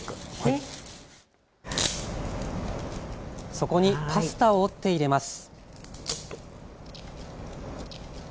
そこにパスタを折って入れます。